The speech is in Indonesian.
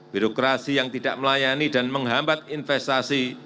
birokrasi yang tidak melayani dan menghambat investasi